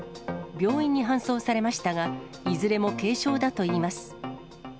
病院に搬送されましたが、いずれも軽症だといいます。